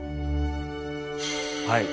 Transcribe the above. はい。